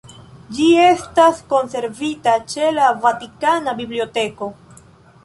Ĝi estas konservita ĉe la Vatikana Biblioteko.